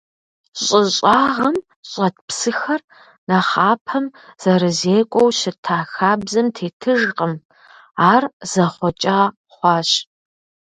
Щӏы щӏагъым щӏэт псыхэр нэхъапэм зэрызекӏуэу щыта хабзэм тетыжкъым, ар зэхъуэкӏа хъуащ.